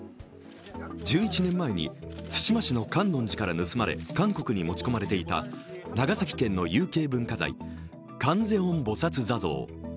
１１年前に対馬市の観音寺から盗まれ韓国に持ち込まれていた長崎県の有形文化財、観世音菩薩坐像。